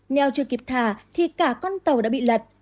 neo chưa kịp thả thì cả con tàu đã bị lật